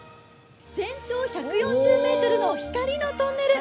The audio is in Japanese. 全長１４０ｍの光のトンネル